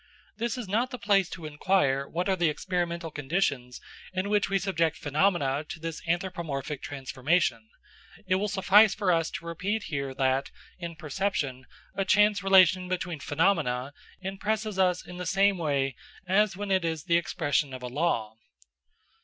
This is not the place to inquire what are the experimental conditions in which we subject phenomena to this anthropomorphic transformation; it will suffice for us to repeat here that, in perception, a chance relation between phenomena impresses us in the same way as when it is the expression of a law.